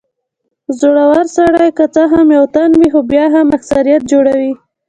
زړور سړی که څه هم یو تن وي خو بیا هم اکثريت جوړوي.